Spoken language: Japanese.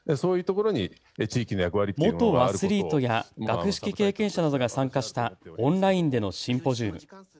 元アスリートや学識経験者などが参加したオンラインでのシンポジウム。